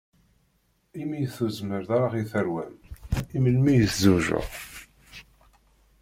Imi ur tezmireḍ ara i terwa-m, iwumi i tezweǧeḍ?